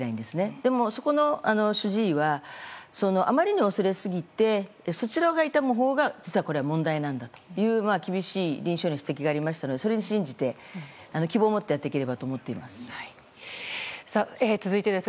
でも、そこの主治医はあまりにも恐れすぎてそちらが痛むほうが問題なんだと厳しい臨床医の指摘がありましたのでそれを信じて希望を持ってやっていければと思っています。